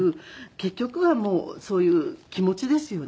結局はもうそういう気持ちですよね。